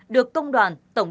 được công đoàn tổng lý